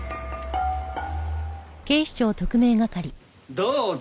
どうぞ！